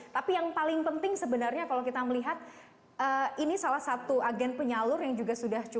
tapi yang paling penting sebenarnya kalau kita melihat ini salah satu agen penyalur yang juga sudah cukup